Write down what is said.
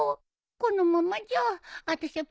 このままじゃあたしゃ